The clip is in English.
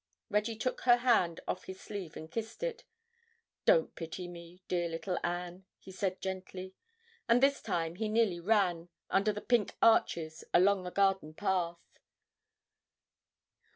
Reggie took her hand off his sleeve and kissed it. "Don't pity me, dear little Anne," he said gently. And this time he nearly ran, under the pink arches, along the garden path.